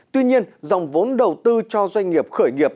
tuy nhiên dòng vốn đầu tư cho doanh nghiệp khởi nghiệp